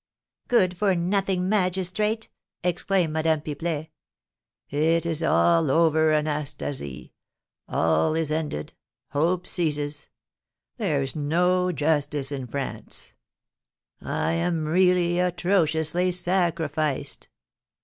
"Good for nothing magistrate!" exclaimed Madame Pipelet. "It is all over, Anastasie, all is ended, hope ceases. There's no justice in France; I am really atrociously sacrificed."